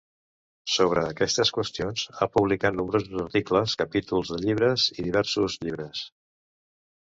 Sobre aquestes qüestions ha publicat nombrosos articles, capítols de llibres i diversos llibres.